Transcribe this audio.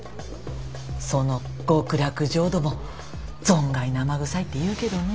その極楽浄土も存外生臭いっていうけどねぇ。